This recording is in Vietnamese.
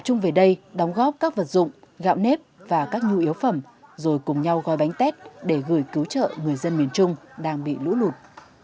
chung về đây đóng góp các vật dụng gạo nếp và các nhu yếu phẩm rồi cùng nhau gói bánh tết để gửi cứu trợ người dân miền trung đang bị lũ lụt